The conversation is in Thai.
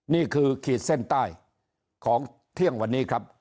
ขีดเส้นใต้ของเที่ยงวันนี้ครับ